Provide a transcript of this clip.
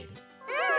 うん！